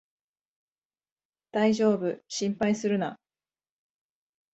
だいじょうぶ、心配するな